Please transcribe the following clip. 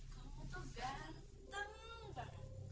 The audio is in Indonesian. kamu tuh ganteng banget